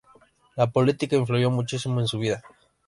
La política influyó muchísimo en su vida.